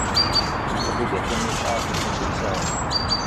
Abugaṭu-nni yesɛa aṭas n yemsaɣen.